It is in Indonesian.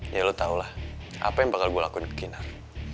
ya lu tahu lah apa yang bakal gue lakuin ke kinar